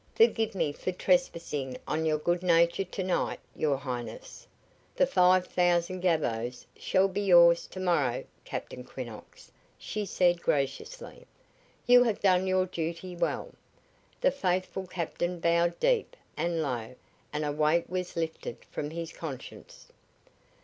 "Forgive me for trespassing on your good nature tonight, your Highness. "The five thousand gavvos shall be yours tomorrow, Captain Quinnox," she said, graciously. "You have done your duty well." The faithful captain bowed deep and low and a weight was lifted from his conscience.